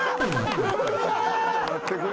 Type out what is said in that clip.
待ってくれ。